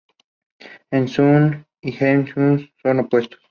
Eun Sung y Hye Suk son opuestos.